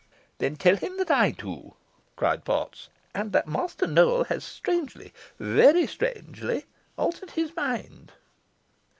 "Then, tell him that I do," cried Potts; "and that Master Nowell has strangely, very strangely, altered his mind."